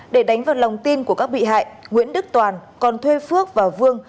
để đánh vào lòng tin của các bị hại nguyễn đức toàn còn thuê phước và vương